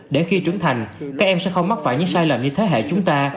để khi trưởng thành các em sẽ không mắc phải những sai lầm như thế hệ chúng ta